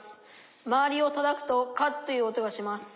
まわりをたたくと『カッ』という音がします。